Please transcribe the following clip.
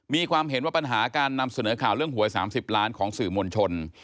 มีความเห็นว่าปัญหาการนำเสนอข่าวเรื่องหวย๓๐ล้านของสื่อมวลชน